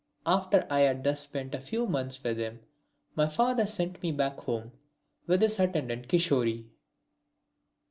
After I had thus spent a few months with him my father sent me back home with his attendant Kishori.